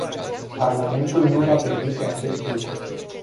Parlamentul nu va permite acest lucru.